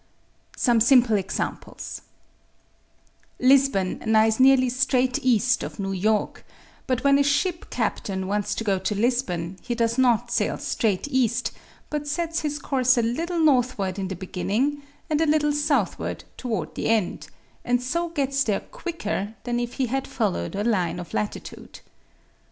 SOME SIMPLE EXAMPLES Lisbon lies nearly straight east of New York but when a ship captain wants to go to Lisbon he does not sail straight east but sets his course a little northward in the beginning and a litle southward toward the end and so gets there quicker than if he had followed a line of latitude.